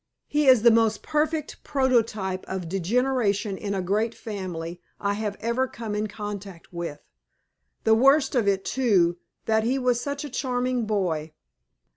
He is the most perfect prototype of degeneration in a great family I have ever come in contact with. The worst of it, too, that he was such a charming boy.